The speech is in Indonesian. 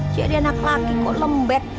jadi anak laki kok lemah